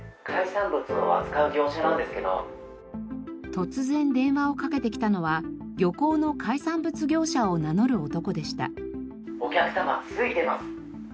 突然電話をかけてきたのは漁港の海産物業者を名乗る男でした。